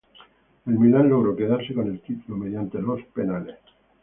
El Milan logró quedarse con el título mediante los penales.